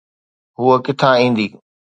هوءَ ڪٿان ايندي؟